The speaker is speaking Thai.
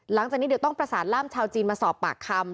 หลังจากนี้เดี๋ยวต้องประสานล่ามชาวจีนมาสอบปากคำ